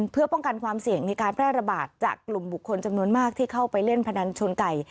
เพื่อป้องกันความเสี่ยงในการแพร่ระบาดจากกลุ่มบุคคลจำนวนมากที่เข้าไปเล่นพนันชนไก่